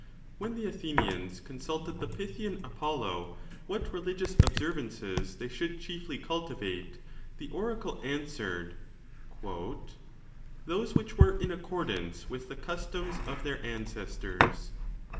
When the Athenians consulted the Pythian Apollo what religious observances they sKould chiefly cultivate, the oracle answered, " Those which were in accordance with the customs of their ancestors."